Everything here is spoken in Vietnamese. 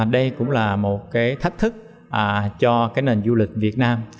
đây cũng là một cái thách thức cho cái nền du lịch việt nam